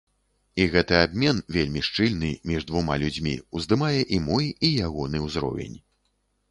І гэты абмен, вельмі шчыльны, між двума людзьмі, уздымае і мой, і ягоны ўзровень.